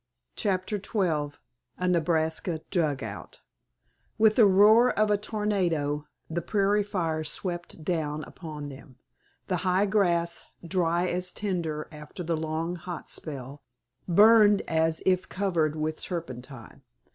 *CHAPTER XII* *A NEBRASKA DUGOUT* With the roar of a tornado the prairie fire swept down upon them. The high grass, dry as tinder after the long hot spell, burned as if covered with turpentine.